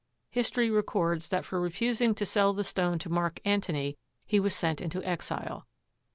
History records that for refusing to sell the stone to Mark Antony he was sent into exile.